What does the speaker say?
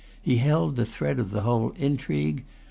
He held the thread of the whole intrigue.